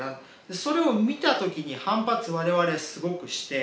それを見た時に反発我々すごくして。